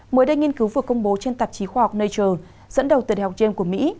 mới đây nghiên cứu vừa công bố trên tạp chí khoa học nature dẫn đầu từ đại học trên của mỹ